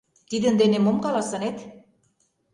Тидын дене мом каласынет?